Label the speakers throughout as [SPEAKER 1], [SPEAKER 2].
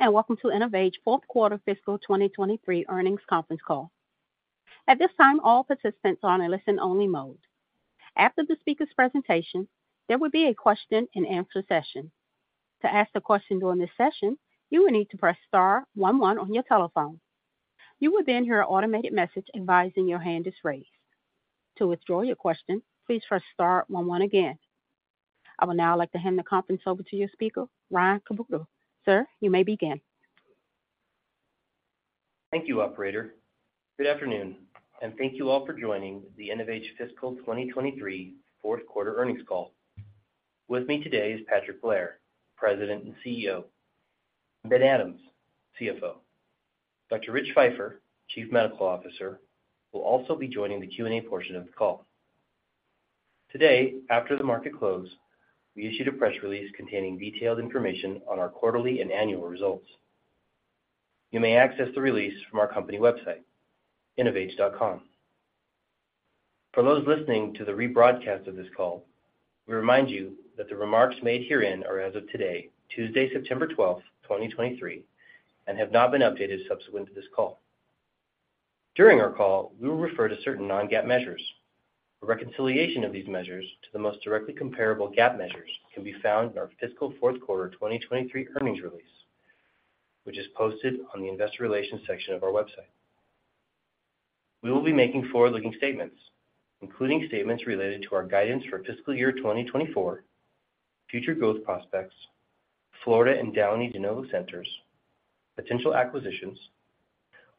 [SPEAKER 1] Hello, and welcome to InnovAge Fourth Quarter Fiscal 2023 Earnings Conference Call. At this time, all participants are on a listen-only mode. After the speaker's presentation, there will be a question-and-answer session. To ask a question during this session, you will need to press star one one on your telephone. You will then hear an automated message advising your hand is raised. To withdraw your question, please press star one one again. I would now like to hand the conference over to your speaker, Ryan Kubota. Sir, you may begin.
[SPEAKER 2] Thank you, operator. Good afternoon, and thank you all for joining The InnovAge Fiscal 2023 Fourth Quarter Earnings Call. With me today is Patrick Blair, President and CEO, and Ben Adams, CFO. Dr Rich Feifer, Chief Medical Officer, will also be joining the Q&A portion of the call. Today, after the market close, we issued a press release containing detailed information on our quarterly and annual results. You may access the release from our company website, innovage.com. For those listening to the rebroadcast of this call, we remind you that the remarks made herein are as of today, Tuesday, September 12, 2023, and have not been updated subsequent to this call. During our call, we will refer to certain non-GAAP measures. A reconciliation of these measures to the most directly comparable GAAP measures can be found in our fiscal fourth quarter 2023 earnings release, which is posted on the investor relations section of our website. We will be making forward-looking statements, including statements related to our guidance for fiscal year 2024, future growth prospects, Florida and Downey de novo centers, potential acquisitions,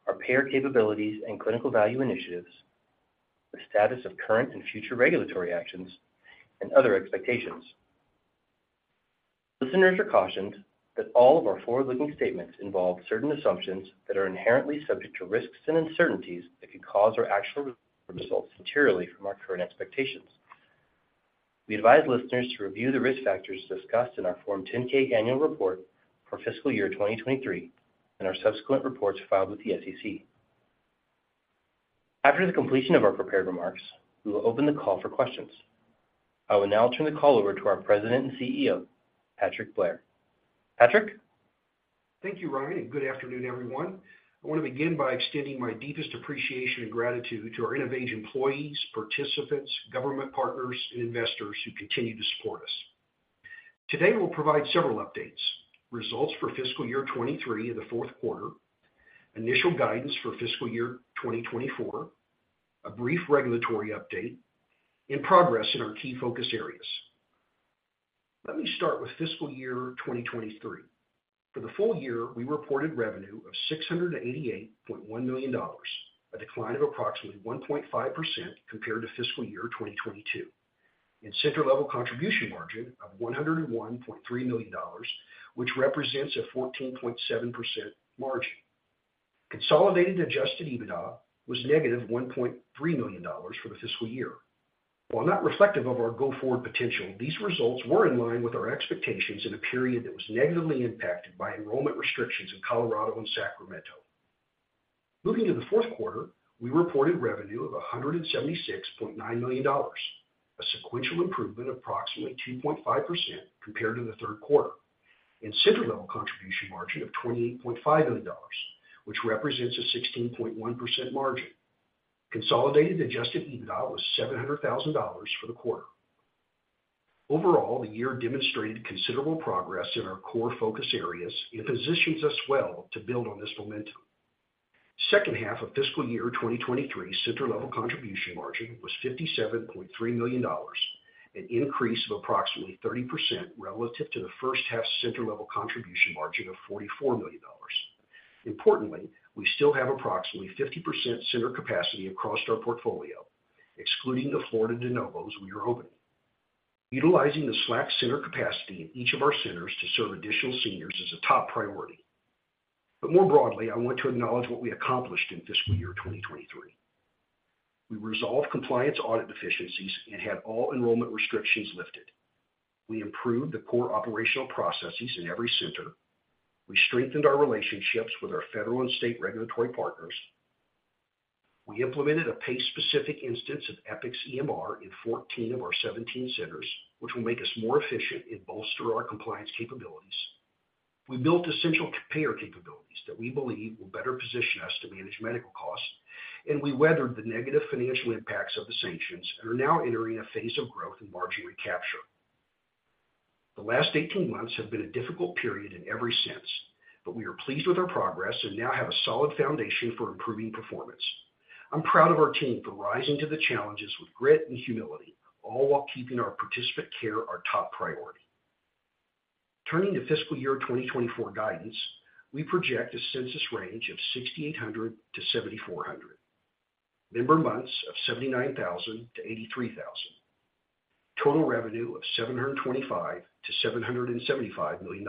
[SPEAKER 2] our payer capabilities and clinical value initiatives, the status of current and future regulatory actions, and other expectations. Listeners are cautioned that all of our forward-looking statements involve certain assumptions that are inherently subject to risks and uncertainties that could cause our actual results materially from our current expectations. We advise listeners to review the risk factors discussed in our Form 10-K Annual Report for fiscal year 2023 and our subsequent reports filed with the SEC. After the completion of our prepared remarks, we will open the call for questions. I will now turn the call over to our President and CEO, Patrick Blair. Patrick?
[SPEAKER 3] Thank you, Ryan, and good afternoon, everyone. I want to begin by extending my deepest appreciation and gratitude to our InnovAge employees, participants, government partners, and investors who continue to support us. Today, we'll provide several updates: results for fiscal year 2023 in the fourth quarter, initial guidance for fiscal year 2024, a brief regulatory update, and progress in our key focus areas. Let me start with fiscal year 2023. For the full year, we reported revenue of $688.1 million, a decline of approximately 1.5% compared to fiscal year 2022, and center level contribution margin of $101.3 million, which represents a 14.7% margin. Consolidated adjusted EBITDA was -ve $1.3 million for the fiscal year. While not reflective of our go-forward potential, these results were in line with our expectations in a period that was negatively impacted by enrollment restrictions in Colorado and Sacramento. Moving to the fourth quarter, we reported revenue of $176.9 million, a sequential improvement of approximately 2.5% compared to the third quarter, and center level contribution margin of $28.5 million, which represents a 16.1% margin. Consolidated adjusted EBITDA was $700,000 for the quarter. Overall, the year demonstrated considerable progress in our core focus areas and positions us well to build on this momentum. Second half of fiscal year 2023, center level contribution margin was $57.3 million, an increase of approximately 30% relative to the first half center level contribution margin of $44 million. Importantly, we still have approximately 50% center capacity across our portfolio, excluding the Florida de novos we are opening. Utilizing the slack center capacity in each of our centers to serve additional seniors is a top priority. But more broadly, I want to acknowledge what we accomplished in fiscal year 2023. We resolved compliance audit deficiencies and had all enrollment restrictions lifted. We improved the core operational processes in every center. We strengthened our relationships with our federal and state regulatory partners. We implemented a PACE-specific instance of Epic's EMR in 14 of our 17 centers, which will make us more efficient and bolster our compliance capabilities. We built essential payer capabilities that we believe will better position us to manage medical costs, and we weathered the negative financial impacts of the sanctions and are now entering a phase of growth and margin recapture. The last 18 months have been a difficult period in every sense, but we are pleased with our progress and now have a solid foundation for improving performance. I'm proud of our team for rising to the challenges with grit and humility, all while keeping our participant care our top priority. Turning to fiscal year 2024 guidance, we project a census range of 6,800-7,400, member months of 79,000-83,000, total revenue of $725 million-$775 million,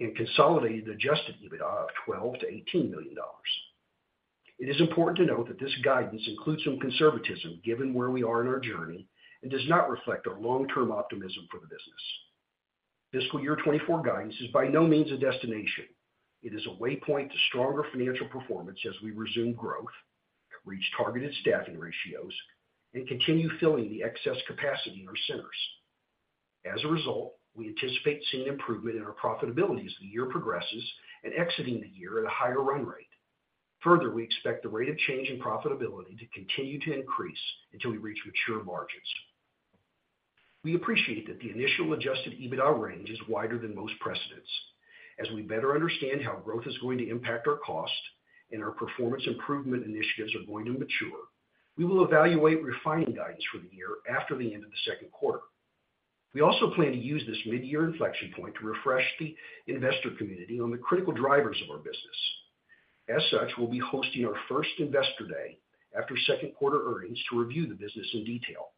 [SPEAKER 3] and consolidated adjusted EBITDA of $12 million-$18 million. It is important to note that this guidance includes some conservatism, given where we are in our journey, and does not reflect our long-term optimism for the business. Fiscal year 2024 guidance is by no means a destination. It is a waypoint to stronger financial performance as we resume growth, reach targeted staffing ratios, and continue filling the excess capacity in our centers. As a result, we anticipate seeing improvement in our profitability as the year progresses and exiting the year at a higher run rate. Further, we expect the rate of change in profitability to continue to increase until we reach mature margins. We appreciate that the initial adjusted EBITDA range is wider than most precedents. As we better understand how growth is going to impact our cost and our performance improvement initiatives are going to mature, we will evaluate refining guidance for the year after the end of the second quarter. We also plan to use this mid-year inflection point to refresh the investor community on the critical drivers of our business. As such, we'll be hosting our first Investor Day after second quarter earnings to review the business in detail.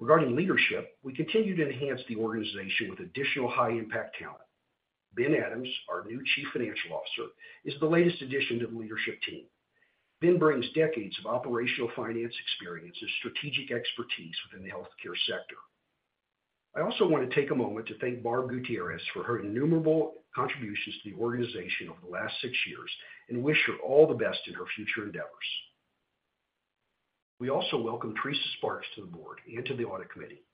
[SPEAKER 3] Regarding leadership, we continue to enhance the organization with additional high-impact talent. Ben Adams, our new Chief Financial Officer, is the latest addition to the leadership team. Ben brings decades of operational finance experience and strategic expertise within the healthcare sector. I also want to take a moment to thank Barb Gutierrez for her innumerable contributions to the organization over the last six years, and wish her all the best in her future endeavors. We also welcome Teresa Sparks to the board and to the audit committee.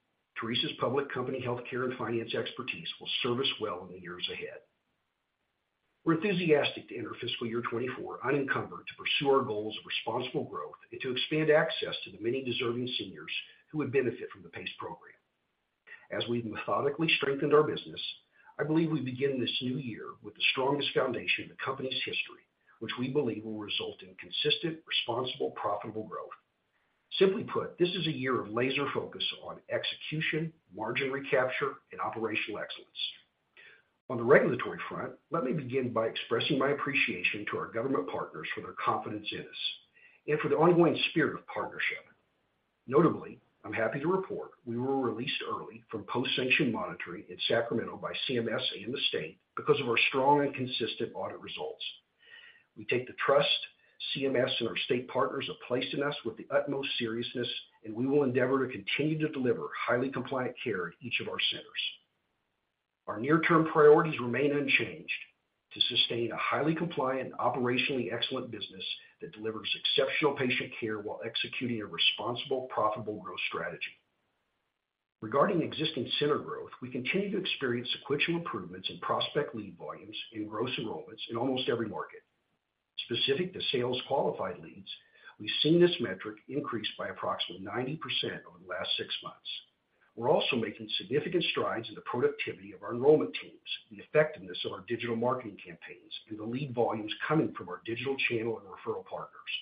[SPEAKER 3] Teresa's public company, healthcare, and finance expertise will serve us well in the years ahead. We're enthusiastic to enter fiscal year 2024 unencumbered, to pursue our goals of responsible growth and to expand access to the many deserving seniors who would benefit from the PACE program. As we've methodically strengthened our business, I believe we begin this new year with the strongest foundation in the company's history, which we believe will result in consistent, responsible, profitable growth. Simply put, this is a year of laser focus on execution, margin recapture, and operational excellence. On the regulatory front, let me begin by expressing my appreciation to our government partners for their confidence in us and for the ongoing spirit of partnership. Notably, I'm happy to report we were released early from post-sanction monitoring in Sacramento by CMS and the state because of our strong and consistent audit results. We take the trust CMS and our state partners have placed in us with the utmost seriousness, and we will endeavor to continue to deliver highly compliant care at each of our centers. Our near-term priorities remain unchanged: to sustain a highly compliant and operationally excellent business that delivers exceptional patient care while executing a responsible, profitable growth strategy. Regarding existing center growth, we continue to experience sequential improvements in prospect lead volumes and gross enrollments in almost every market. Specific to sales-qualified leads, we've seen this metric increase by approximately 90% over the last six months. We're also making significant strides in the productivity of our enrollment teams, the effectiveness of our digital marketing campaigns, and the lead volumes coming from our digital channel and referral partners.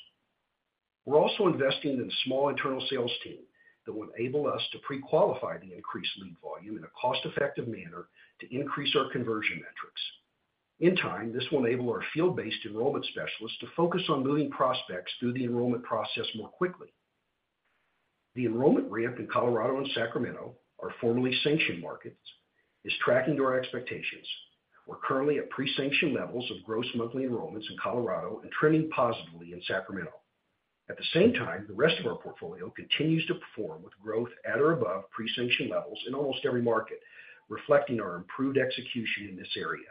[SPEAKER 3] We're also investing in a small internal sales team that will enable us to pre-qualify the increased lead volume in a cost-effective manner to increase our conversion metrics. In time, this will enable our field-based enrollment specialists to focus on moving prospects through the enrollment process more quickly. The enrollment ramp in Colorado and Sacramento, our formerly sanctioned markets, is tracking to our expectations. We're currently at pre-sanction levels of gross monthly enrollments in Colorado and trending positively in Sacramento. At the same time, the rest of our portfolio continues to perform with growth at or above pre-sanction levels in almost every market, reflecting our improved execution in this area.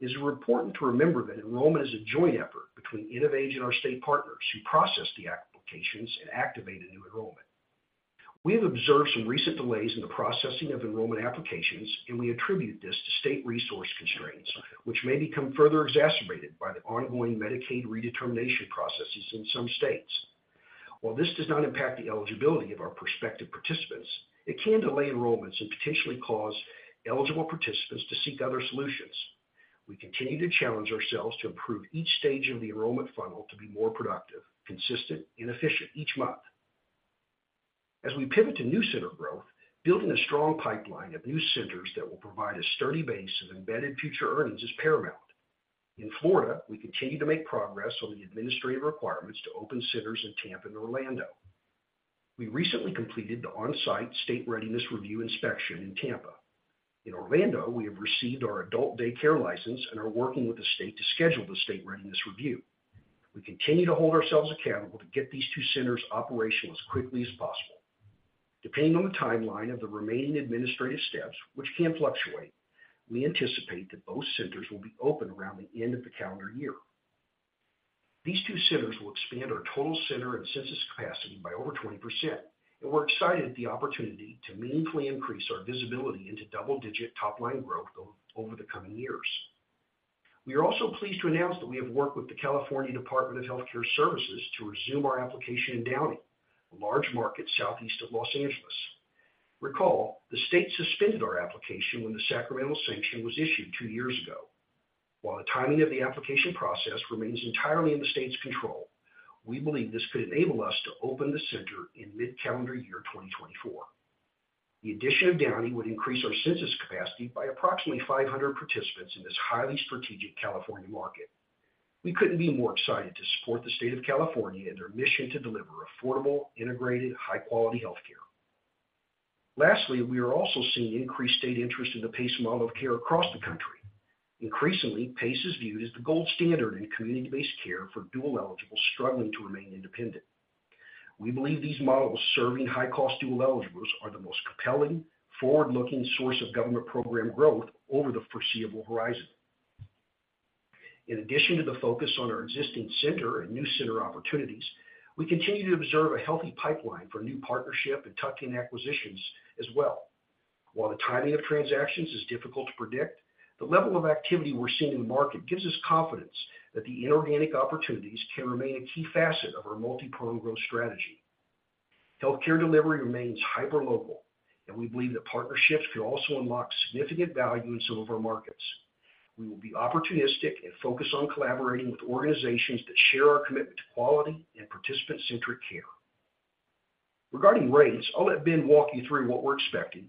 [SPEAKER 3] It is important to remember that enrollment is a joint effort between InnovAge and our state partners, who process the applications and activate a new enrollment. We have observed some recent delays in the processing of enrollment applications, and we attribute this to state resource constraints, which may become further exacerbated by the ongoing Medicaid redetermination processes in some states. While this does not impact the eligibility of our prospective participants, it can delay enrollments and potentially cause eligible participants to seek other solutions. We continue to challenge ourselves to improve each stage of the enrollment funnel to be more productive, consistent, and efficient each month. As we pivot to new center growth, building a strong pipeline of new centers that will provide a sturdy base of embedded future earnings is paramount. In Florida, we continue to make progress on the administrative requirements to open centers in Tampa and Orlando. We recently completed the on-site state readiness review inspection in Tampa. In Orlando, we have received our adult daycare license and are working with the state to schedule the state readiness review. We continue to hold ourselves accountable to get these two centers operational as quickly as possible. Depending on the timeline of the remaining administrative steps, which can fluctuate, we anticipate that both centers will be open around the end of the calendar year. These two centers will expand our total center and census capacity by over 20%, and we're excited at the opportunity to meaningfully increase our visibility into double-digit top-line growth over the coming years. We are also pleased to announce that we have worked with the California Department of Health Care Services to resume our application in Downey, a large market southeast of Los Angeles. Recall, the state suspended our application when the Sacramento sanction was issued two years ago. While the timing of the application process remains entirely in the state's control, we believe this could enable us to open the center in mid-calendar year 2024. The addition of Downey would increase our census capacity by approximately 500 participants in this highly strategic California market. We couldn't be more excited to support the state of California in their mission to deliver affordable, integrated, high-quality healthcare. Lastly, we are also seeing increased state interest in the PACE model of care across the country. Increasingly, PACE is viewed as the gold standard in community-based care for dual eligibles struggling to remain independent.... We believe these models serving high-cost dual eligibles are the most compelling, forward-looking source of government program growth over the foreseeable horizon. In addition to the focus on our existing center and new center opportunities, we continue to observe a healthy pipeline for new partnership and tuck-in acquisitions as well. While the timing of transactions is difficult to predict, the level of activity we're seeing in the market gives us confidence that the inorganic opportunities can remain a key facet of our multi-pronged growth strategy. Healthcare delivery remains hyper-local, and we believe that partnerships can also unlock significant value in some of our markets. We will be opportunistic and focused on collaborating with organizations that share our commitment to quality and participant-centric care. Regarding rates, I'll let Ben walk you through what we're expecting,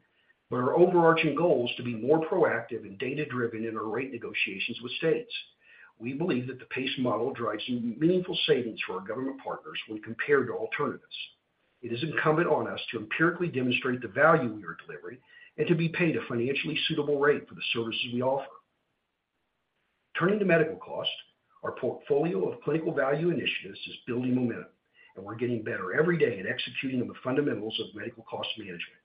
[SPEAKER 3] but our overarching goal is to be more proactive and data-driven in our rate negotiations with states. We believe that the PACE model drives meaningful savings for our government partners when compared to alternatives. It is incumbent on us to empirically demonstrate the value we are delivering and to be paid a financially suitable rate for the services we offer. Turning to medical costs, our portfolio of clinical value initiatives is building momentum, and we're getting better every day at executing on the fundamentals of medical cost management.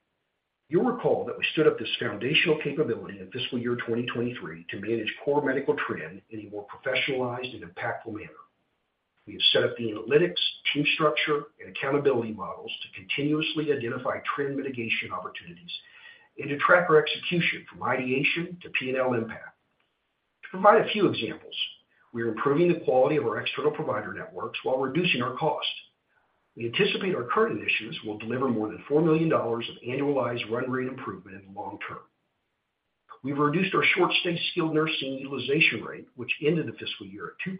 [SPEAKER 3] You'll recall that we stood up this foundational capability in fiscal year 2023 to manage core medical trend in a more professionalized and impactful manner. We have set up the analytics, team structure, and accountability models to continuously identify trend mitigation opportunities and to track our execution from ideation to P&L impact. To provide a few examples, we are improving the quality of our external provider networks while reducing our costs. We anticipate our current initiatives will deliver more than $4 million of annualized run rate improvement in the long term. We've reduced our short-stay skilled nursing utilization rate, which ended the fiscal year at 2%.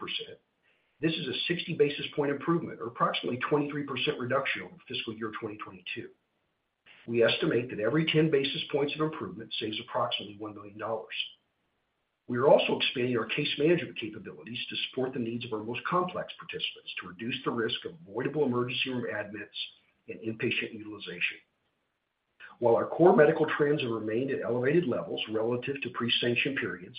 [SPEAKER 3] This is a 60 basis points improvement or approximately 23% reduction over fiscal year 2022. We estimate that every 10 basis points of improvement saves approximately $1 million. We are also expanding our case management capabilities to support the needs of our most complex participants to reduce the risk of avoidable emergency room admits and inpatient utilization. While our core medical trends have remained at elevated levels relative to pre-sanction periods,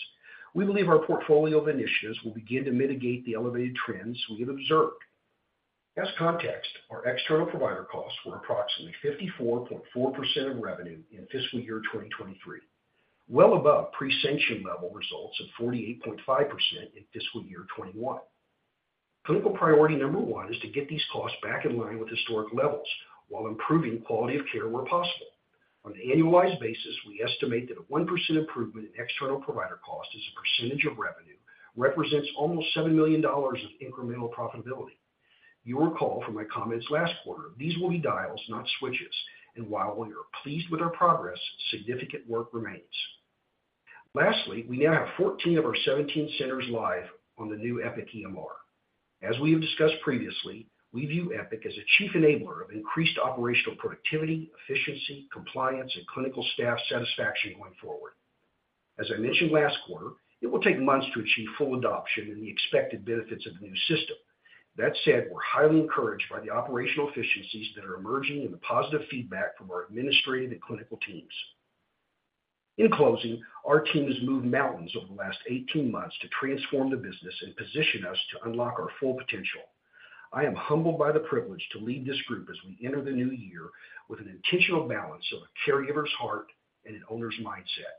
[SPEAKER 3] we believe our portfolio of initiatives will begin to mitigate the elevated trends we have observed. As context, our external provider costs were approximately 54.4% of revenue in fiscal year 2023, well above pre-sanction level results of 48.5% in fiscal year 2021. Clinical priority number one is to get these costs back in line with historic levels while improving quality of care where possible. On an annualized basis, we estimate that a 1% improvement in external provider cost as a percentage of revenue represents almost $7 million of incremental profitability. You'll recall from my comments last quarter, these will be dials, not switches, and while we are pleased with our progress, significant work remains. Lastly, we now have 14 of our 17 centers live on the new Epic EMR. As we have discussed previously, we view Epic as a chief enabler of increased operational productivity, efficiency, compliance, and clinical staff satisfaction going forward. As I mentioned last quarter, it will take months to achieve full adoption and the expected benefits of the new system. That said, we're highly encouraged by the operational efficiencies that are emerging and the positive feedback from our administrative and clinical teams. In closing, our team has moved mountains over the last 18 months to transform the business and position us to unlock our full potential. I am humbled by the privilege to lead this group as we enter the new year with an intentional balance of a caregiver's heart and an owner's mindset.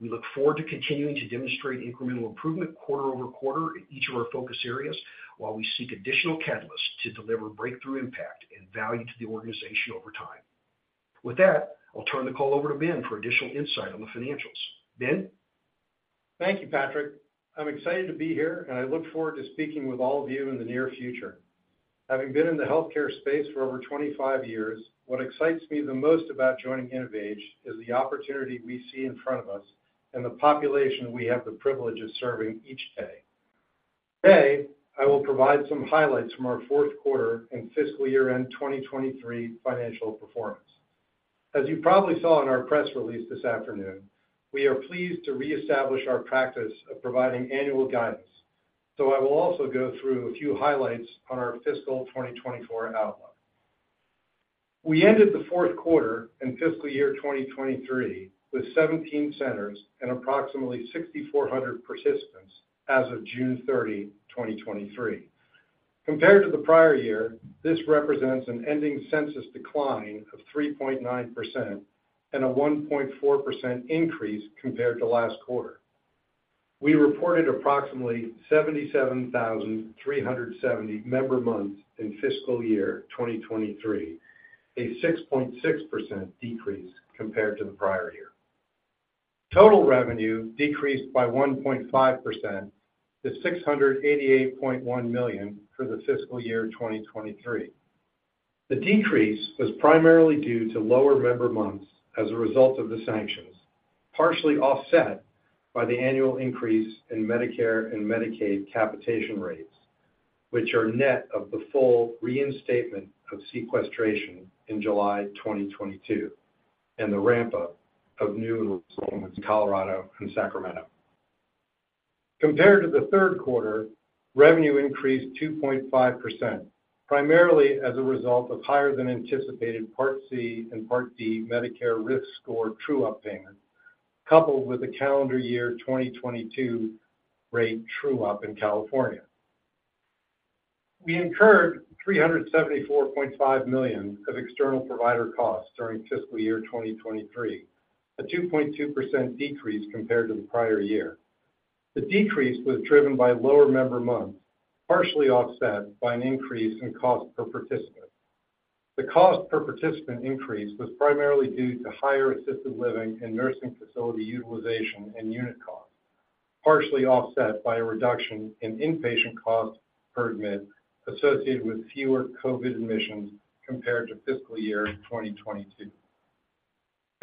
[SPEAKER 3] We look forward to continuing to demonstrate incremental improvement quarter-over-quarter in each of our focus areas, while we seek additional catalysts to deliver breakthrough, impact, and value to the organization over time. With that, I'll turn the call over to Ben for additional insight on the financials. Ben?
[SPEAKER 4] Thank you, Patrick. I'm excited to be here, and I look forward to speaking with all of you in the near future. Having been in the healthcare space for over 25 years, what excites me the most about joining InnovAge is the opportunity we see in front of us and the population we have the privilege of serving each day. Today, I will provide some highlights from our fourth quarter and fiscal year-end 2023 financial performance. As you probably saw in our press release this afternoon, we are pleased to reestablish our practice of providing annual guidance. So I will also go through a few highlights on our fiscal 2024 outlook. We ended the fourth quarter and fiscal year 2023 with 17 centers and approximately 6,400 participants as of June 30, 2023. Compared to the prior year, this represents an ending census decline of 3.9% and a 1.4% increase compared to last quarter. We reported approximately 77,370 member months in fiscal year 2023, a 6.6% decrease compared to the prior year. Total revenue decreased by 1.5% to $688.1 million for the fiscal year 2023. The decrease was primarily due to lower member months as a result of the sanctions, partially offset by the annual increase in Medicare and Medicaid capitation rates, which are net of the full reinstatement of sequestration in July 2022, and the ramp-up of new enrollments in Colorado and Sacramento. Compared to the third quarter, revenue increased 2.5%, primarily as a result of higher than anticipated Part C and Part D Medicare risk score true-up payment, coupled with the calendar year 2022 rate true-up in California. We incurred $374.5 million of external provider costs during fiscal year 2023, a 2.2% decrease compared to the prior year. The decrease was driven by lower member months, partially offset by an increase in cost per participant. The cost per participant increase was primarily due to higher assisted living and nursing facility utilization and unit costs, partially offset by a reduction in inpatient costs per admit associated with fewer COVID admissions compared to fiscal year 2022.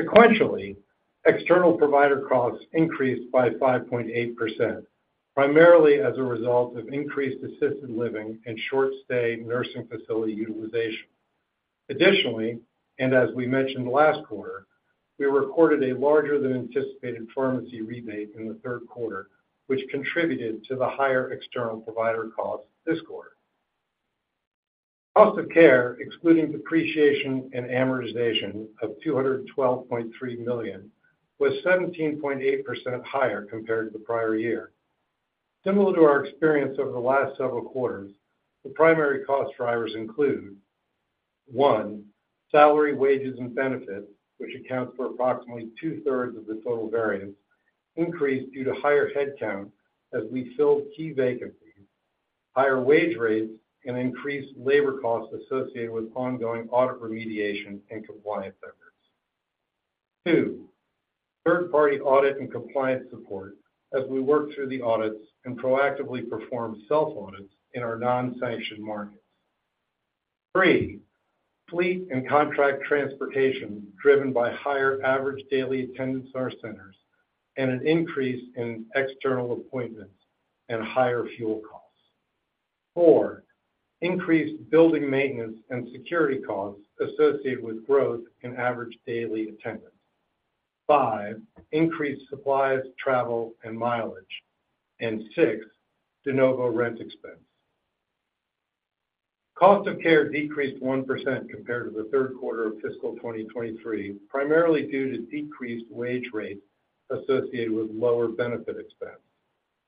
[SPEAKER 4] Sequentially, external provider costs increased by 5.8%, primarily as a result of increased assisted living and short-stay nursing facility utilization. Additionally, and as we mentioned last quarter, we recorded a larger than anticipated pharmacy rebate in the third quarter, which contributed to the higher external provider costs this quarter. Cost of care, excluding depreciation and amortization of $212.3 million, was 17.8% higher compared to the prior year. Similar to our experience over the last several quarters, the primary cost drivers include: one, salary, wages, and benefits, which accounts for approximately 2/3 of the total variance, increased due to higher headcount as we filled key vacancies, higher wage rates, and increased labor costs associated with ongoing audit remediation and compliance efforts. Two, third-party audit and compliance support as we work through the audits and proactively perform self-audits in our non-sanctioned markets. Three, fleet and contract transportation driven by higher average daily attendance at our centers and an increase in external appointments and higher fuel costs. Four, increased building maintenance and security costs associated with growth in average daily attendance. Five, increased supplies, travel, and mileage. And six, de novo rent expense. Cost of care decreased 1% compared to the third quarter of fiscal 2023, primarily due to decreased wage rates associated with lower benefit expense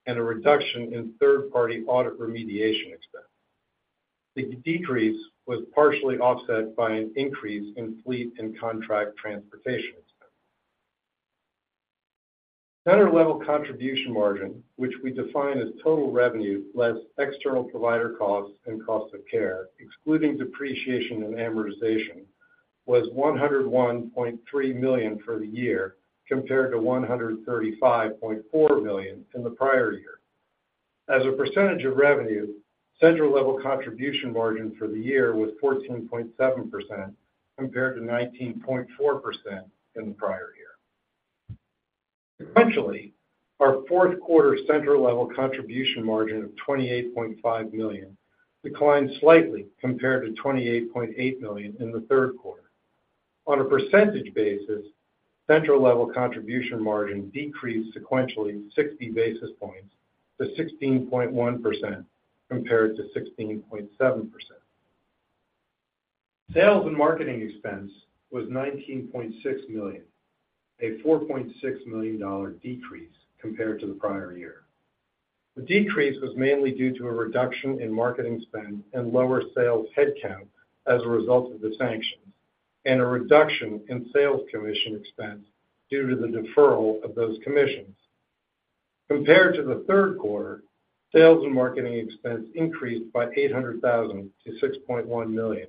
[SPEAKER 4] and a reduction in third-party audit remediation expense. The decrease was partially offset by an increase in fleet and contract transportation expense. Center-level contribution margin, which we define as total revenue, less external provider costs and cost of care, excluding depreciation and amortization, was $101.3 million for the year, compared to $135.4 million in the prior year. As a % of revenue, center-level contribution margin for the year was 14.7%, compared to 19.4% in the prior year. Sequentially, our fourth quarter center-level contribution margin of $28.5 million declined slightly compared to $28.8 million in the third quarter. On a % basis, center-level contribution margin decreased sequentially 60 basis points to 16.1% compared to 16.7%. Sales and marketing expense was $19.6 million, a $4.6 million decrease compared to the prior year. The decrease was mainly due to a reduction in marketing spend and lower sales headcount as a result of the sanctions, and a reduction in sales commission expense due to the deferral of those commissions. Compared to the third quarter, sales and marketing expense increased by $800,000 to $6.1 million,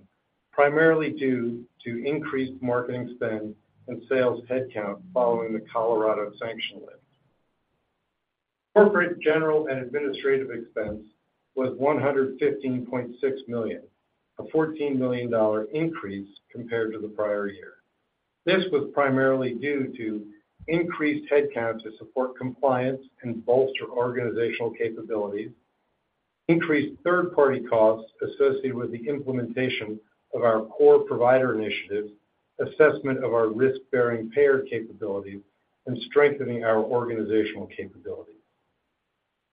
[SPEAKER 4] primarily due to increased marketing spend and sales headcount following the Colorado sanction lift. Corporate, general, and administrative expense was $115.6 million, a $14 million increase compared to the prior year. This was primarily due to increased headcount to support compliance and bolster organizational capabilities, increased third-party costs associated with the implementation of our core provider initiatives, assessment of our risk-bearing payer capabilities, and strengthening our organizational capabilities,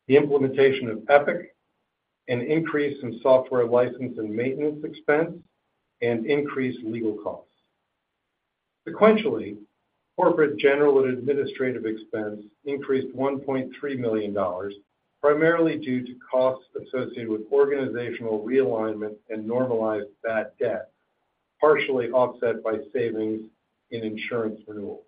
[SPEAKER 4] the implementation of Epic, an increase in software license and maintenance expense, and increased legal costs. Sequentially, corporate, general, and administrative expense increased $1.3 million, primarily due to costs associated with organizational realignment and normalized bad debt, partially offset by savings in insurance renewal.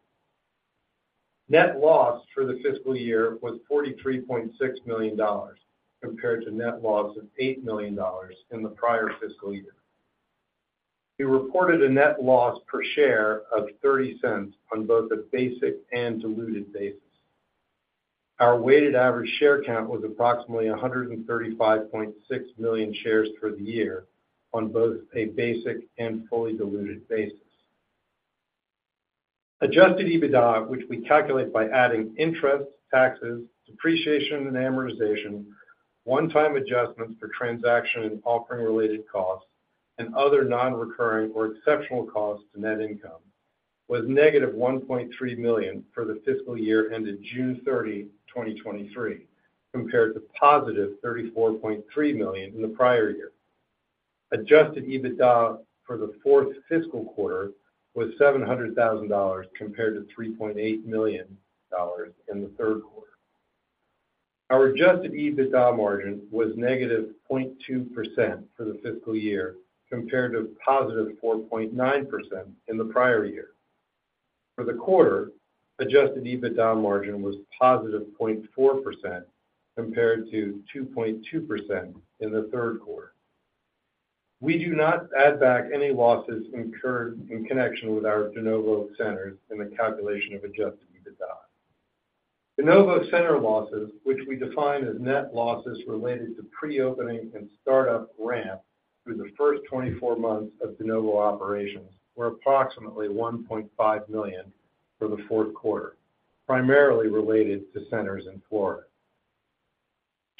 [SPEAKER 4] Net loss for the fiscal year was $43.6 million, compared to net loss of $8 million in the prior fiscal year. We reported a net loss per share of $0.30 on both a basic and diluted basis. Our weighted average share count was approximately 135.6 million shares for the year on both a basic and fully diluted basis. Adjusted EBITDA, which we calculate by adding interest, taxes, depreciation and amortization, one-time adjustments for transaction and offering-related costs, and other non-recurring or exceptional costs to net income, was -ve $1.3 million for the fiscal year ended June 30, 2023, compared to +ve $34.3 million in the prior year. Adjusted EBITDA for the fourth fiscal quarter was $700,000 compared to $3.8 million in the third quarter. Our adjusted EBITDA margin was -ve 0.2% for the fiscal year, compared to +ve 4.9% in the prior year. For the quarter, adjusted EBITDA margin was +ve 0.4%, compared to 2.2% in the third quarter. We do not add back any losses incurred in connection with our de novo centers in the calculation of adjusted EBITDA. De novo center losses, which we define as net losses related to pre-opening and start-up ramp through the first 24 months of de novo operations, were approximately $1.5 million for the fourth quarter, primarily related to centers in Florida.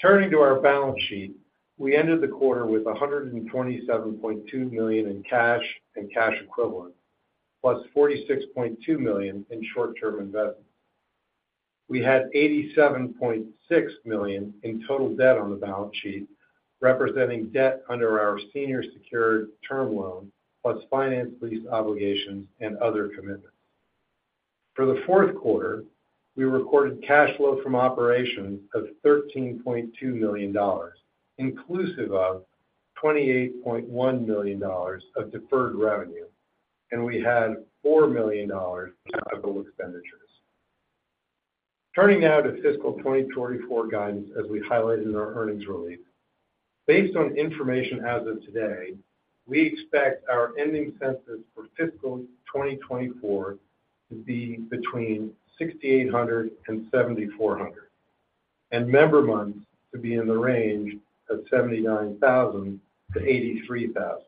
[SPEAKER 4] Turning to our balance sheet, we ended the quarter with $127.2 million in cash and cash equivalents, +$46.2 million in short-term investments. We had $87.6 million in total debt on the balance sheet, representing debt under our senior secured term loan, plus finance lease obligations and other commitments. For the fourth quarter, we recorded cash flow from operations of $13.2 million, inclusive of $28.1 million of deferred revenue, and we had $4 million in capital expenditures. Turning now to fiscal 2024 guidance, as we highlighted in our earnings release. Based on information as of today, we expect our ending census for fiscal 2024 to be between 6,800 and 7,400, and member months to be in the range of 79,000-83,000.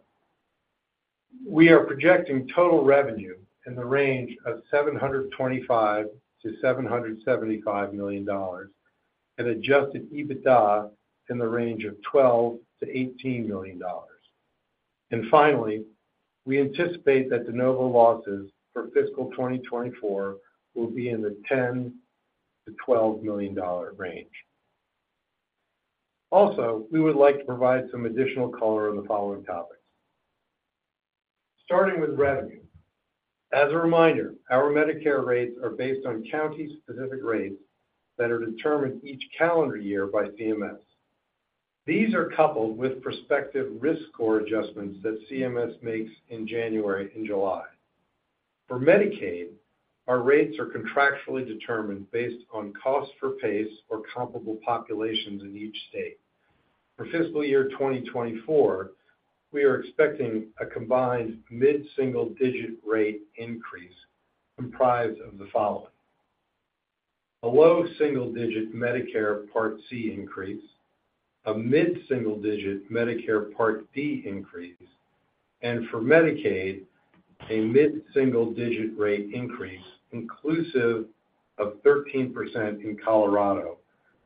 [SPEAKER 4] We are projecting total revenue in the range of $725 million-$775 million and adjusted EBITDA in the range of $12 million-$18 million. Finally, we anticipate that de novo losses for fiscal 2024 will be in the $10-$12 million range. Also, we would like to provide some additional color on the following topics. Starting with revenue. As a reminder, our Medicare rates are based on county-specific rates that are determined each calendar year by CMS. These are coupled with prospective risk score adjustments that CMS makes in January and July. For Medicaid, our rates are contractually determined based on cost for PACE or comparable populations in each state. For fiscal year 2024, we are expecting a combined mid-single-digit rate increase comprised of the following: a low single-digit Medicare Part C increase, a mid-single-digit Medicare Part D increase, and for Medicaid, a mid-single-digit rate increase, inclusive of 13% in Colorado,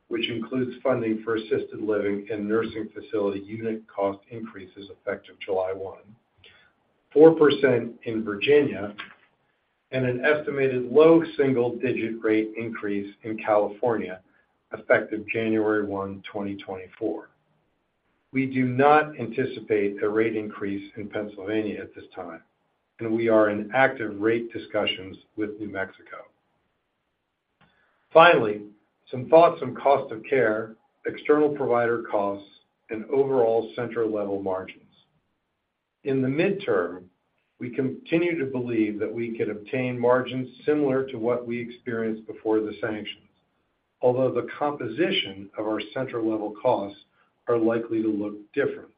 [SPEAKER 4] which includes funding for assisted living and nursing facility unit cost increases effective July 1, 4% in Virginia, and an estimated low single-digit rate increase in California, effective January 1, 2024. We do not anticipate a rate increase in Pennsylvania at this time, and we are in active rate discussions with New Mexico. Finally, some thoughts on cost of care, external provider costs, and overall center-level margins. In the midterm, we continue to believe that we could obtain margins similar to what we experienced before the sanctions, although the composition of our center-level costs are likely to look different.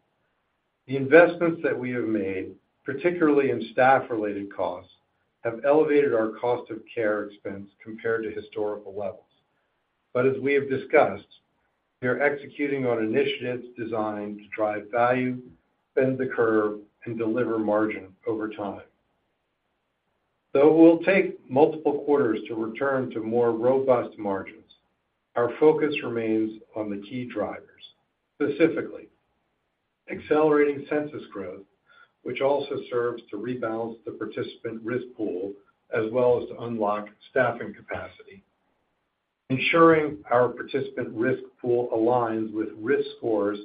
[SPEAKER 4] The investments that we have made, particularly in staff-related costs, have elevated our cost of care expense compared to historical levels. But as we have discussed, we are executing on initiatives designed to drive value, bend the curve, and deliver margin over time. Though it will take multiple quarters to return to more robust margins, our focus remains on the key drivers, specifically accelerating census growth, which also serves to rebalance the participant risk pool, as well as to unlock staffing capacity. Ensuring our participant risk pool aligns with risk scores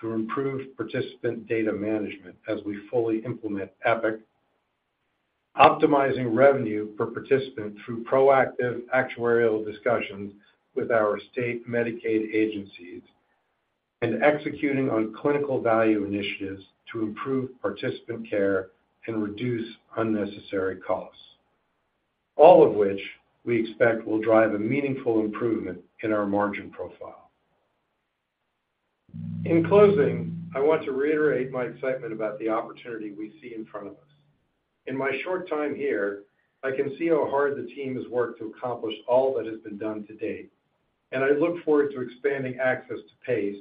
[SPEAKER 4] through improved participant data management as we fully implement Epic. Optimizing revenue per participant through proactive actuarial discussions with our state Medicaid agencies. And executing on clinical value initiatives to improve participant care and reduce unnecessary costs, all of which we expect will drive a meaningful improvement in our margin profile. In closing, I want to reiterate my excitement about the opportunity we see in front of us. In my short time here, I can see how hard the team has worked to accomplish all that has been done to date, and I look forward to expanding access to PACE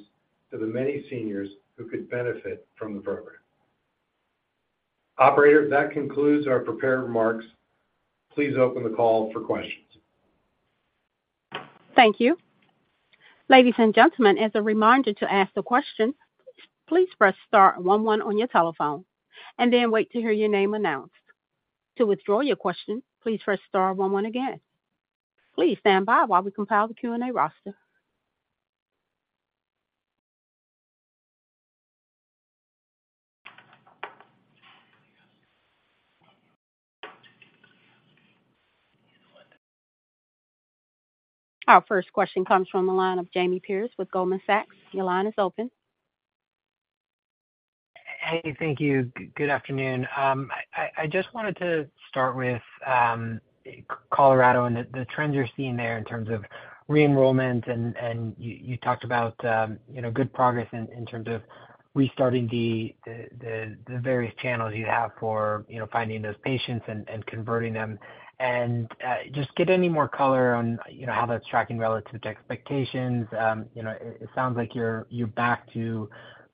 [SPEAKER 4] to the many seniors who could benefit from the program. Operator, that concludes our prepared remarks. Please open the call for questions.
[SPEAKER 1] Thank you. Ladies and gentlemen, as a reminder to ask a question, please press star one one on your telephone and then wait to hear your name announced. To withdraw your question, please press star one one again. Please stand by while we compile the Q&A roster. Our first question comes from the line of Jamie Perse with Goldman Sachs. Your line is open.
[SPEAKER 5] Hey, thank you. Good afternoon. I just wanted to start with Colorado and the trends you're seeing there in terms of re-enrollment, and you talked about, you know, good progress in terms of restarting the various channels you have for, you know, finding those patients and converting them. And just get any more color on, you know, how that's tracking relative to expectations. You know, it sounds like you're back to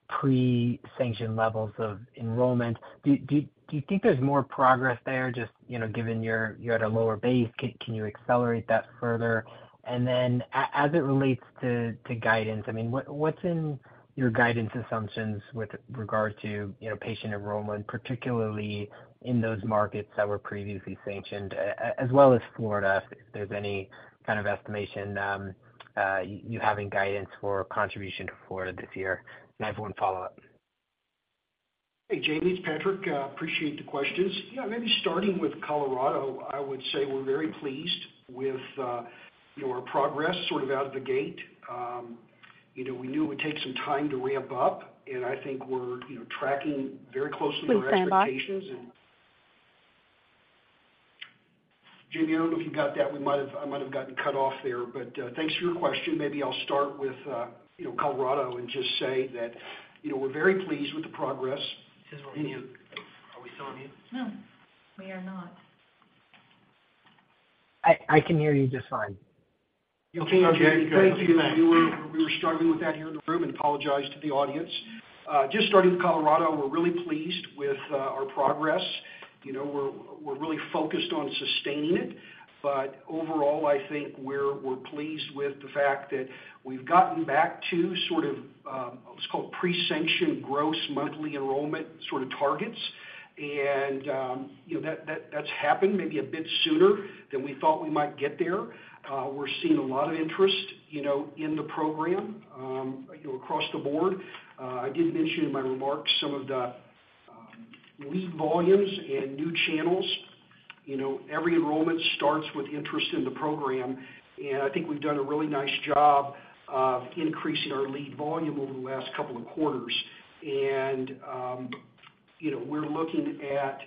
[SPEAKER 5] pre-sanction levels of enrollment. Do you think there's more progress there, just, you know, given you're at a lower base, can you accelerate that further? Then as it relates to guidance, I mean, what's in your guidance assumptions with regard to, you know, patient enrollment, particularly in those markets that were previously sanctioned, as well as Florida, if there's any kind of estimation you have in guidance for contribution to Florida this year? And I have one follow-up.
[SPEAKER 3] Hey, Jamie, it's Patrick. Appreciate the questions. Yeah, maybe starting with Colorado, I would say we're very pleased with, you know, our progress sort of out of the gate. You know, we knew it would take some time to ramp up, and I think we're, you know, tracking very closely with our expectations and-
[SPEAKER 1] Please stand by.
[SPEAKER 3] Jamie, I don't know if you got that. We might have—I might have gotten cut off there, but thanks for your question. Maybe I'll start with, you know, Colorado, and just say that, you know, we're very pleased with the progress.
[SPEAKER 5] He's on mute. Are we still on mute?
[SPEAKER 1] No, we are not.
[SPEAKER 5] I can hear you just fine.
[SPEAKER 3] Okay, Jamie. Thank you.
[SPEAKER 5] Okay, good.
[SPEAKER 3] We were struggling with that here in the room and apologize to the audience. Just starting with Colorado, we're really pleased with our progress. You know, we're really focused on sustaining it. But overall, I think we're pleased with the fact that we've gotten back to sort of what's called pre-sanction gross monthly enrollment sort of targets. And you know, that's happened maybe a bit sooner than we thought we might get there. We're seeing a lot of interest, you know, in the program, you know, across the board. I did mention in my remarks some of the lead volumes and new channels. You know, every enrollment starts with interest in the program, and I think we've done a really nice job of increasing our lead volume over the last couple of quarters. You know, we're looking at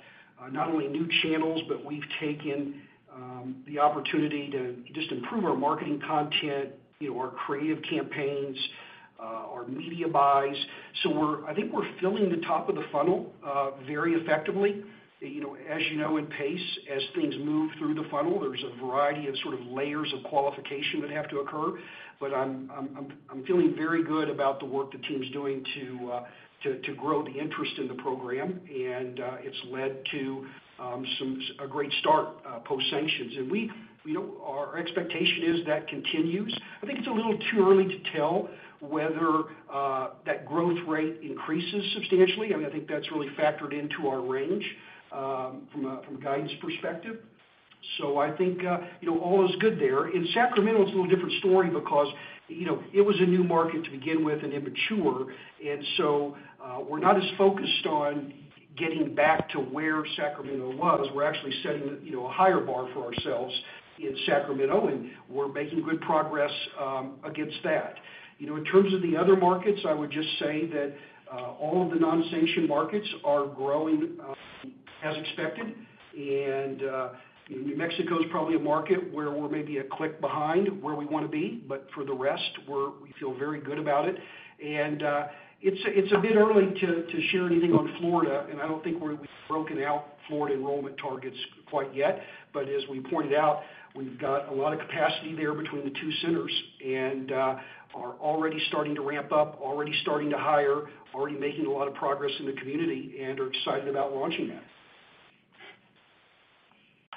[SPEAKER 3] not only new channels, but we've taken the opportunity to just improve our marketing content, you know, our creative campaigns, our media buys. So, I think we're filling the top of the funnel very effectively. You know, as you know, in PACE, as things move through the funnel, there's a variety of sort of layers of qualification that have to occur. But I'm feeling very good about the work the team's doing to grow the interest in the program, and it's led to a great start post-sanctions. And we, you know, our expectation is that continues. I think it's a little too early to tell whether that growth rate increases substantially. I mean, I think that's really factored into our range from a guidance perspective. So I think you know, all is good there. In Sacramento, it's a little different story because you know, it was a new market to begin with and immature, and so we're not as focused on getting back to where Sacramento was. We're actually setting you know, a higher bar for ourselves in Sacramento, and we're making good progress against that. You know, in terms of the other markets, I would just say that all of the non-sanction markets are growing as expected, and New Mexico is probably a market where we're maybe a click behind where we want to be, but for the rest, we feel very good about it. And, it's a bit early to share anything on Florida, and I don't think we've broken out Florida enrollment targets quite yet. But as we pointed out, we've got a lot of capacity there between the two centers and are already starting to ramp up, already starting to hire, already making a lot of progress in the community and are excited about launching that.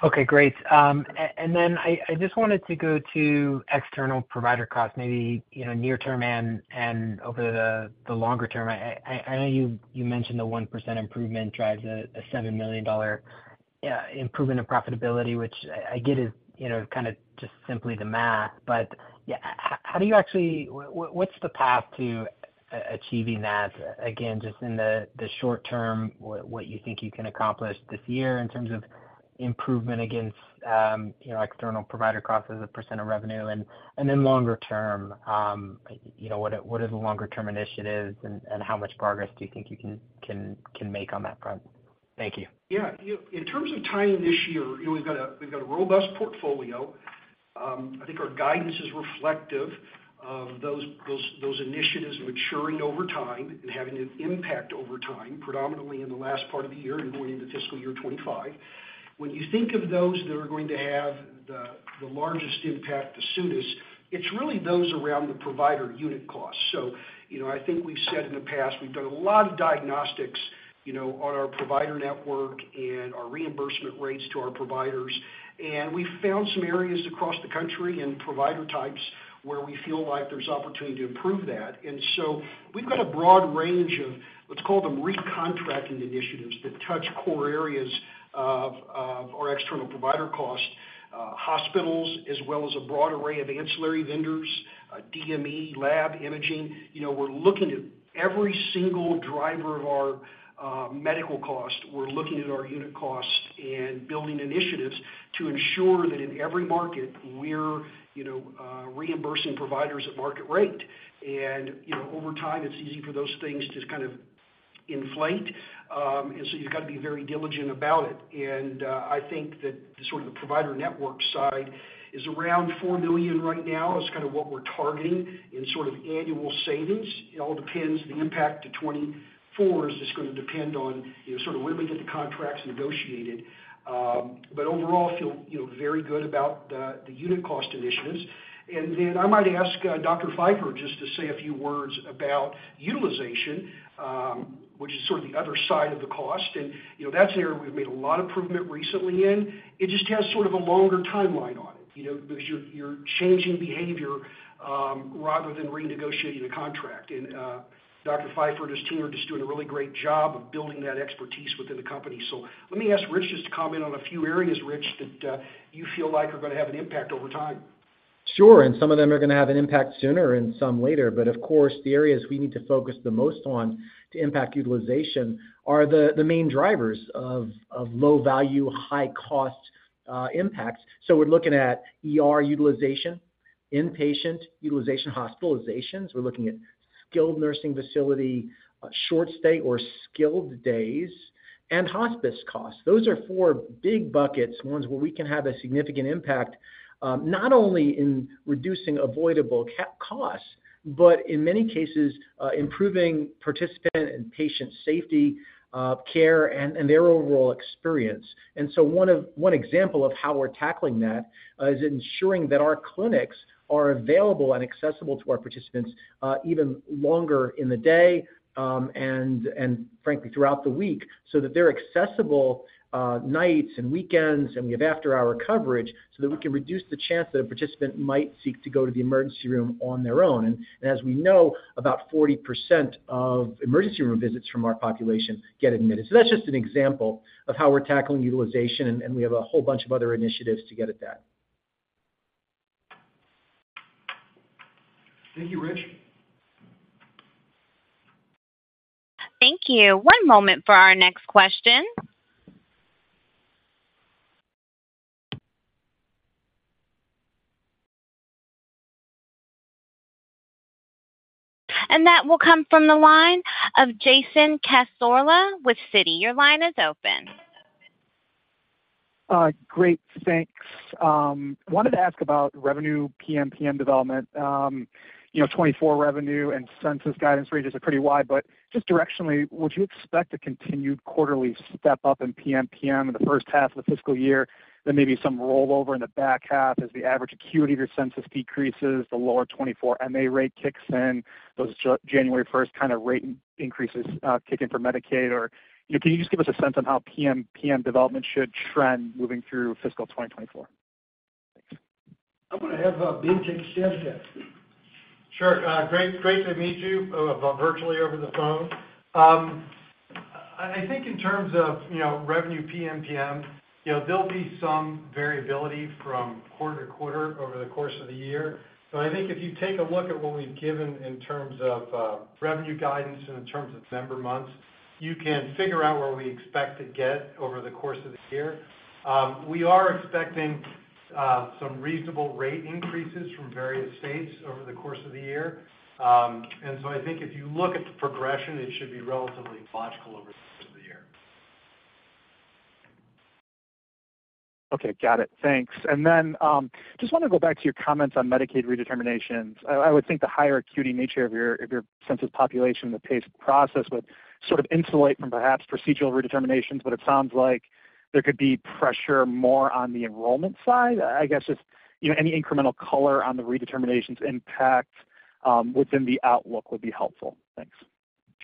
[SPEAKER 5] Okay, great. And then I just wanted to go to external provider costs, maybe, you know, near term and over the longer term. I know you mentioned the 1% improvement drives a $7 million improvement of profitability, which I get is, you know, kind of just simply the math. But, yeah, how do you actually... What's the path to achieving that? Again, just in the short term, what you think you can accomplish this year in terms of improvement against, you know, external provider costs as a % of revenue. And then longer term, you know, what are the longer term initiatives, and how much progress do you think you can make on that front? Thank you.
[SPEAKER 3] Yeah, in terms of timing this year, you know, we've got a robust portfolio. I think our guidance is reflective of those initiatives maturing over time and having an impact over time, predominantly in the last part of the year and going into fiscal year 25. When you think of those that are going to have the largest impact, the soonest, it's really those around the provider unit costs. So, you know, I think we've said in the past, we've done a lot of diagnostics, you know, on our provider network and our reimbursement rates to our providers, and we found some areas across the country and provider types where we feel like there's opportunity to improve that. And so we've got a broad range of... Let's call them recontracting initiatives that touch core areas of our external provider cost, hospitals, as well as a broad array of ancillary vendors, DME, lab, imaging. You know, we're looking at every single driver of our medical cost. We're looking at our unit costs and building initiatives to ensure that in every market, we're, you know, reimbursing providers at market rate. And, you know, over time, it's easy for those things to just kind of inflate. And so you've got to be very diligent about it. And, I think that the sort of the provider network side is around $4 million right now, is kinda what we're targeting in sort of annual savings. It all depends. The impact to 2024 is just gonna depend on, you know, sort of when we get the contracts negotiated. But overall, I feel, you know, very good about the unit cost initiatives. And then I might ask Dr Feifer just to say a few words about utilization, which is sort of the other side of the cost. And, you know, that's an area we've made a lot of improvement recently in. It just has sort of a longer timeline on it, you know, because you're changing behavior rather than renegotiating a contract. And Dr Feifer and his team are just doing a really great job of building that expertise within the company. So let me ask Rich just to comment on a few areas, Rich, that you feel like are gonna have an impact over time.
[SPEAKER 6] Sure. And some of them are gonna have an impact sooner and some later. But of course, the areas we need to focus the most on to impact utilization are the main drivers of low value, high cost impacts. So we're looking at ER utilization, inpatient utilization, hospitalizations. We're looking at skilled nursing facility short stay or skilled days, and hospice costs. Those are four big buckets, ones where we can have a significant impact, not only in reducing avoidable costs, but in many cases, improving participant and patient safety, care, and their overall experience. One example of how we're tackling that is ensuring that our clinics are available and accessible to our participants, even longer in the day, and frankly, throughout the week, so that they're accessible, nights and weekends, and we have after-hour coverage so that we can reduce the chance that a participant might seek to go to the emergency room on their own. As we know, about 40% of emergency room visits from our population get admitted. That's just an example of how we're tackling utilization, and we have a whole bunch of other initiatives to get at that.
[SPEAKER 5] Thank you, Rich.
[SPEAKER 1] Thank you. One moment for our next question. That will come from the line of Jason Cassorla with Citi. Your line is open.
[SPEAKER 7] Great. Thanks. Wanted to ask about revenue PMPM development. You know, 2024 revenue and census guidance ranges are pretty wide, but just directionally, would you expect a continued quarterly step up in PMPM in the first half of the fiscal year, then maybe some rollover in the back half as the average acuity of your census decreases, the lower 2024 MA rate kicks in, those January first kind of rate increases kick in for Medicaid? Or, you know, can you just give us a sense on how PMPM development should trend moving through fiscal 2024? Thanks.
[SPEAKER 3] I'm gonna have Ben take a stab at it.
[SPEAKER 4] Sure. Great, great to meet you virtually over the phone. I think in terms of, you know, revenue PMPM, you know, there'll be some variability from quarter to quarter over the course of the year. But I think if you take a look at what we've given in terms of revenue guidance and in terms of member months, you can figure out where we expect to get over the course of the year. We are expecting some reasonable rate increases from various states over the course of the year. And so I think if you look at the progression, it should be relatively logical over the course of the year.
[SPEAKER 7] Okay, got it. Thanks. And then, just wanna go back to your comments on Medicaid redeterminations. I would think the higher acuity nature of your census population, the PACE process, would sort of insulate from perhaps procedural redeterminations, but it sounds like there could be pressure more on the enrollment side. I guess just, you know, any incremental color on the redeterminations impact within the outlook would be helpful. Thanks.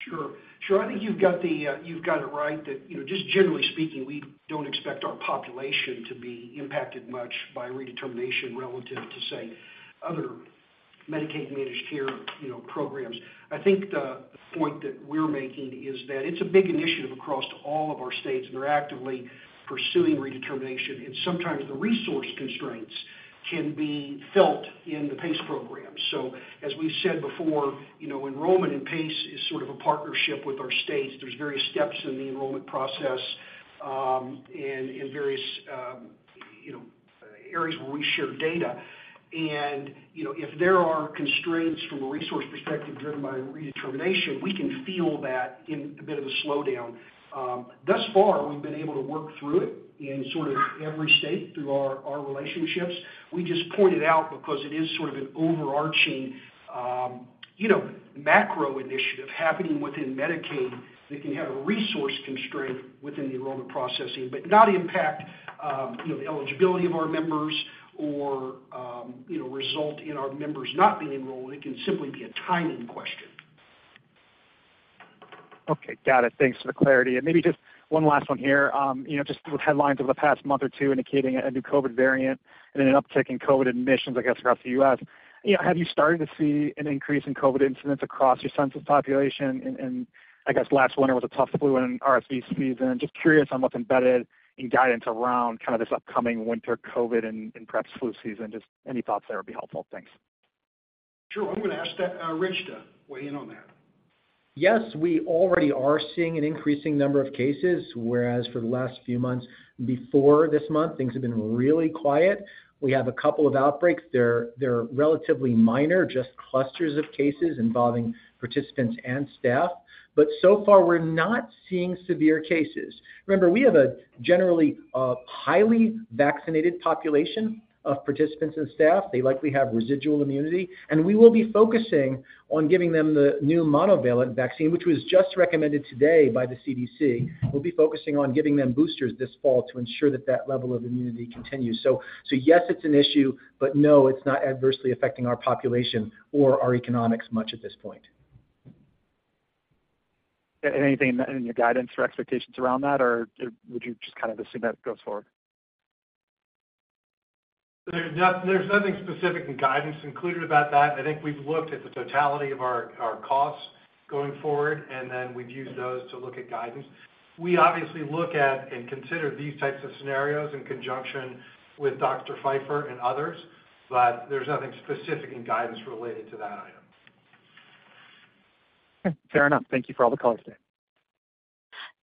[SPEAKER 3] Sure. Sure. I think you've got the, you've got it right that, you know, just generally speaking, we don't expect our population to be impacted much by redetermination relative to, say, other Medicaid managed care, you know, programs. I think the point that we're making is that it's a big initiative across all of our states, and they're actively pursuing redetermination, and sometimes the resource constraints can be felt in the PACE program. So as we said before, you know, enrollment in PACE is sort of a partnership with our states. There's various steps in the enrollment process, and various, you know, areas where we share data. And, you know, if there are constraints from a resource perspective driven by redetermination, we can feel that in a bit of a slowdown. Thus far, we've been able to work through it in sort of every state through our relationships. We just pointed out, because it is sort of an overarching, you know, macro initiative happening within Medicaid, that can have a resource constraint within the enrollment processing, but not impact, you know, the eligibility of our members or, you know, result in our members not being enrolled. It can simply be a timing question. ...
[SPEAKER 7] Okay, got it. Thanks for the clarity. And maybe just one last one here. You know, just with headlines over the past month or two indicating a new COVID variant and an uptick in COVID admissions, I guess, across the U.S., you know, have you started to see an increase in COVID incidents across your census population? And I guess last winter was a tough flu and RSV season. Just curious on what's embedded in guidance around kind of this upcoming winter COVID and perhaps flu season. Just any thoughts there would be helpful. Thanks.
[SPEAKER 3] Sure. I'm going to ask Rich to weigh in on that.
[SPEAKER 6] Yes, we already are seeing an increasing number of cases, whereas for the last few months before this month, things have been really quiet. We have a couple of outbreaks. They're relatively minor, just clusters of cases involving participants and staff. But so far, we're not seeing severe cases. Remember, we have a generally highly vaccinated population of participants and staff. They likely have residual immunity, and we will be focusing on giving them the new monovalent vaccine, which was just recommended today by the CDC. We'll be focusing on giving them boosters this fall to ensure that that level of immunity continues. So, yes, it's an issue, but no, it's not adversely affecting our population or our economics much at this point.
[SPEAKER 7] Anything in your guidance or expectations around that, or would you just kind of assume that goes forward?
[SPEAKER 3] There's nothing specific in guidance included about that. I think we've looked at the totality of our, our costs going forward, and then we've used those to look at guidance. We obviously look at and consider these types of scenarios in conjunction Dr. Feifer and others, but there's nothing specific in guidance related to that item.
[SPEAKER 7] Fair enough. Thank you for all the color today.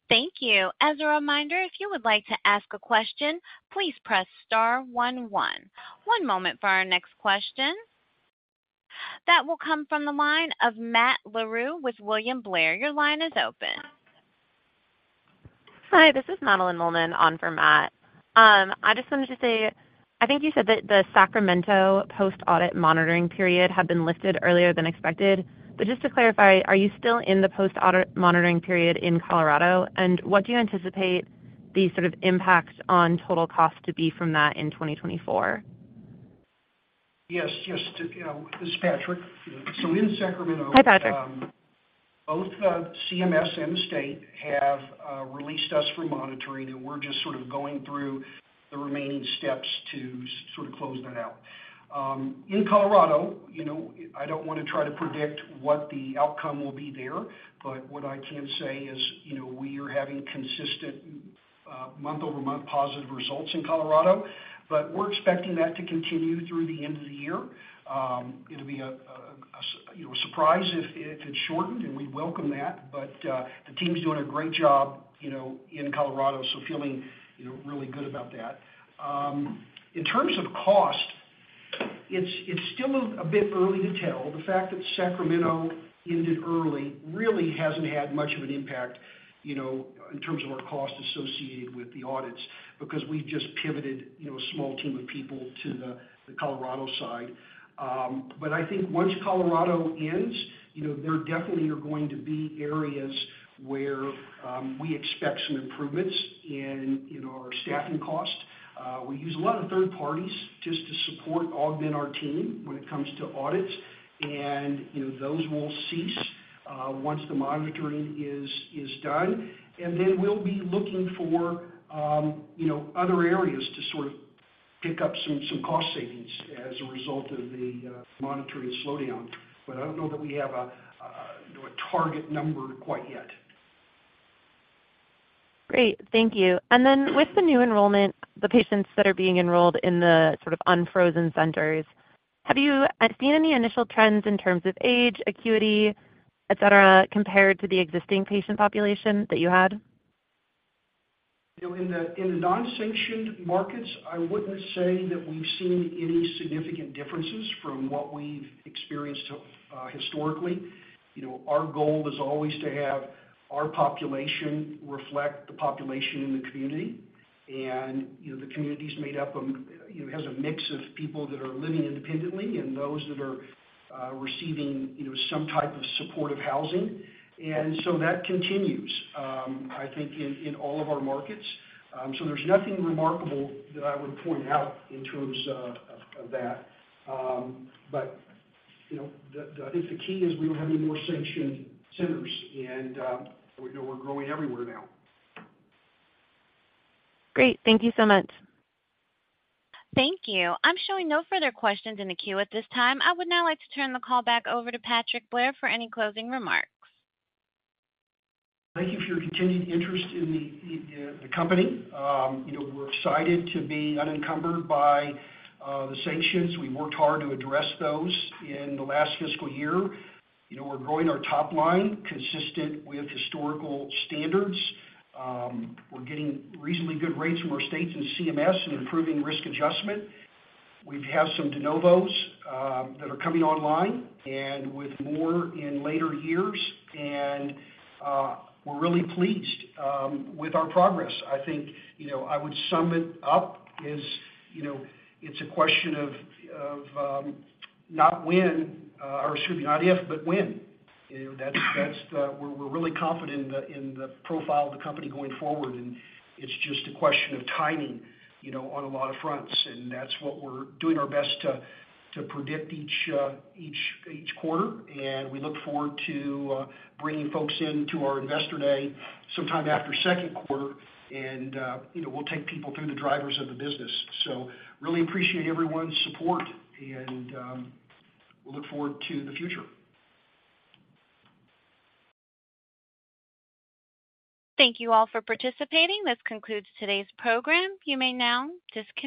[SPEAKER 1] Thank you. As a reminder, if you would like to ask a question, please press star one, one. One moment for our next question. That will come from the line of Matt Larew with William Blair. Your line is open.
[SPEAKER 8] Hi, this is Madeline Mollman on for Matt. I just wanted to say, I think you said that the Sacramento post-audit monitoring period had been lifted earlier than expected. But just to clarify, are you still in the post-audit monitoring period in Colorado? And what do you anticipate the sort of impacts on total cost to be from that in 2024?
[SPEAKER 3] Yes, yes. You know, this is Patrick.
[SPEAKER 8] Hi, Patrick.
[SPEAKER 3] Both the CMS and the state have released us from monitoring, and we're just sort of going through the remaining steps to sort of close that out. In Colorado, you know, I don't want to try to predict what the outcome will be there, but what I can say is, you know, we are having consistent, month-over-month positive results in Colorado, but we're expecting that to continue through the end of the year. It'll be a surprise if it's shortened, and we welcome that, but the team's doing a great job, you know, in Colorado, so feeling, you know, really good about that. In terms of cost, it's still a bit early to tell. The fact that Sacramento ended early really hasn't had much of an impact, you know, in terms of our cost associated with the audits, because we've just pivoted, you know, a small team of people to the Colorado side. But I think once Colorado ends, you know, there definitely are going to be areas where we expect some improvements in, you know, our staffing costs. We use a lot of third parties just to support, augment our team when it comes to audits, and, you know, those will cease once the monitoring is done. And then we'll be looking for, you know, other areas to sort of pick up some cost savings as a result of the monitoring slowdown. But I don't know that we have a target number quite yet.
[SPEAKER 8] Great. Thank you. And then with the new enrollment, the patients that are being enrolled in the sort of unfrozen centers, have you seen any initial trends in terms of age, acuity, et cetera, compared to the existing patient population that you had?
[SPEAKER 3] You know, in the non-sanctioned markets, I wouldn't say that we've seen any significant differences from what we've experienced, historically. You know, our goal is always to have our population reflect the population in the community, and, you know, the community is made up of, you know, has a mix of people that are living independently and those that are, receiving, you know, some type of supportive housing. And so that continues, I think, in all of our markets. So there's nothing remarkable that I would point out in terms of that. But, you know, I think the key is we don't have any more sanctioned centers, and we know we're growing everywhere now.
[SPEAKER 8] Great. Thank you so much.
[SPEAKER 1] Thank you. I'm showing no further questions in the queue at this time. I would now like to turn the call back over to Patrick Blair for any closing remarks.
[SPEAKER 3] Thank you for your continued interest in the company. You know, we're excited to be unencumbered by the sanctions. We worked hard to address those in the last fiscal year. You know, we're growing our top line consistent with historical standards. We're getting reasonably good rates from our states and CMS in improving risk adjustment. We have some de novos that are coming online and with more in later years, and we're really pleased with our progress. I think, you know, I would sum it up as, you know, it's a question of not when, or excuse me, not if, but when. You know, that's the... We're really confident in the profile of the company going forward, and it's just a question of timing, you know, on a lot of fronts, and that's what we're doing our best to predict each quarter. We look forward to bringing folks in to our Investor Day sometime after second quarter, and you know, we'll take people through the drivers of the business. So really appreciate everyone's support, and we look forward to the future.
[SPEAKER 1] Thank you all for participating. This concludes today's program. You may now disconnect.